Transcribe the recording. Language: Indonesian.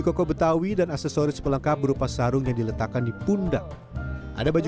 koko betawi dan aksesoris pelengkap berupa sarung yang diletakkan di pundak ada baju